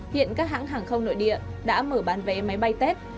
hiện các hãng hàng không nội địa đã mở bán vé máy bay tết